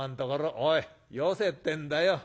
おいよせってんだよ。